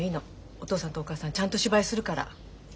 お父さんとお母さんちゃんと芝居するから。